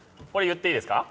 言っていいですか？